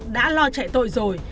đã lo chạy tội rồi